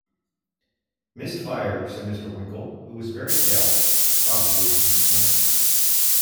‘Missed fire,’ said Mr. Winkle, who was very pale — probably from disappointment.